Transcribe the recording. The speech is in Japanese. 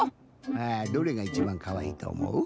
どれがいちばんかわいいとおもう？